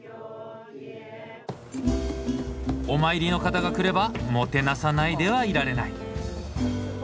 お参りの方が来ればもてなさないではいられない。